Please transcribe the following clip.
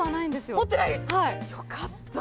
よかった